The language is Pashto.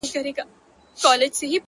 بیا را ژوندي کړو د بابا لښکري-